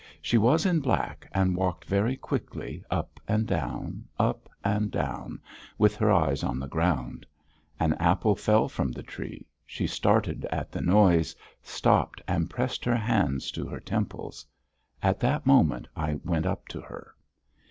She was in black, and walked very quickly, up and down, up and down, with her eyes on the ground. An apple fell from the tree, she started at the noise, stopped and pressed her hands to her temples. At that moment I went up to her.